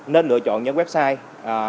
nên lựa chọn những website